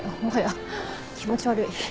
もはや気持ち悪い。